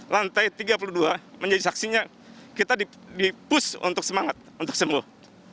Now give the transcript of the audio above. lantai tiga puluh dua menjadi saksinya kita di push untuk semangat untuk sembuh